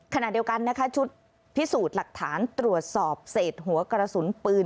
ขณะเดียวกันนะคะชุดพิสูจน์หลักฐานตรวจสอบเศษหัวกระสุนปืน